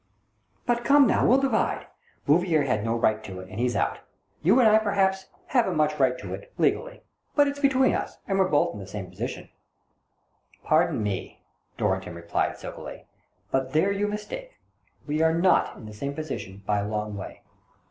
"But come now, we'll divide. Bouvier had no right to it, and he's out. You and I, perhaps, haven't much right to it, legally, but it's between us, and we're both in the same position," "Pardon me," Dorrington replied, silkily, "but there you mistake. We are not in the same position, by a long way.